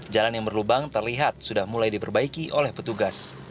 jalan yang berlubang terlihat sudah mulai diperbaiki oleh petugas